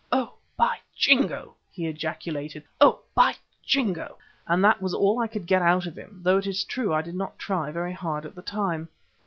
"Oh! by Jingo!" he ejaculated, "oh! by Jingo!" and that was all I could get out of him, though it is true I did not try very hard at the time.